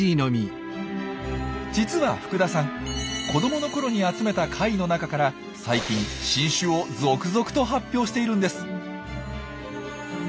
実は福田さん子どものころに集めた貝の中から最近新種を続々と発表しているんです。